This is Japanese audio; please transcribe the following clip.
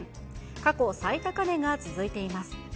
過去最高値が続いています。